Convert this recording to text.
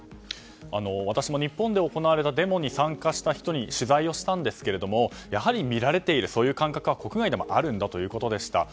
私も日本で行われたデモに参加した人に取材をしたんですがやはり、見られているというそういう感覚は国内でもあるということでした。